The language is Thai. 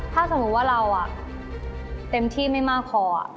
ถ้าสมมุติว่าเราเต็มที่ไม่มากพอ